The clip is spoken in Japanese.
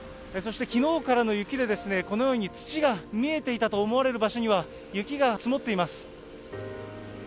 そしてきのうからの雪で、このように土が見えていたと思われる場所には、雪が積もっています。